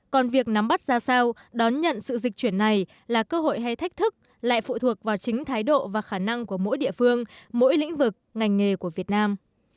còn việc nắm bắt ra sao đón nhận sự dịch chuyển này là cơ hội hay thách thức lại phụ thuộc vào chính thái độ và khả năng của mỗi địa phương mỗi lĩnh vực ngành nghề của việt nam